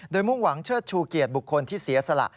โดยมุ่งหวังเชิดชูเกียรติบุคคลที่เสียสละ